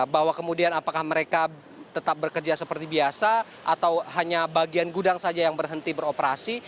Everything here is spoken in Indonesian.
bahwa kemudian apakah mereka tetap bekerja seperti biasa atau hanya bagian gudang saja yang berhenti beroperasi